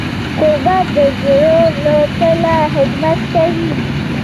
کوربه د زړه له تله خدمت کوي.